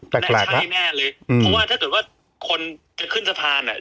แปลกแปลกนะแน่เลยอืมเพราะว่าถ้าเกิดว่าคนจะขึ้นสะพานอ่ะ